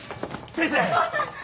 先生！